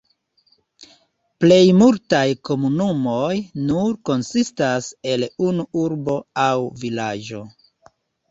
Plejmultaj komunumoj nur konsistas el unu urbo aŭ vilaĝo.